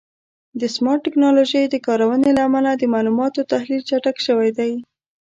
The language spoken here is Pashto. د سمارټ ټکنالوژیو د کارونې له امله د معلوماتو تحلیل چټک شوی دی.